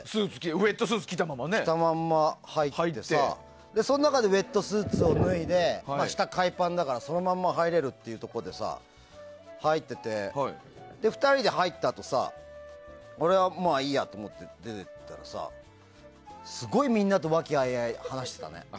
ウェットスーツ着たまま入ってさその中でウェットスーツを脱いで下、海パンだからそのまま入れるっていうところで入ってて２人で入ったあとさ俺は、まあいいやと思って出て行ったらさすごいみんなと和気あいあいと話してたね。